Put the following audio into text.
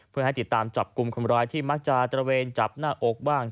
เพื่อให้ติดตามจับกลุ่มคนร้ายที่มักจะตระเวนจับหน้าอกบ้าง